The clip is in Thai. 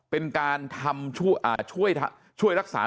เป็นการทำช่วยรักษา